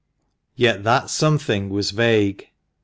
Yet that something was vague.